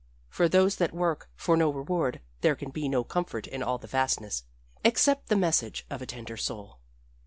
For those that work for no reward there can be no comfort in all the vastness except the message of a tender soul.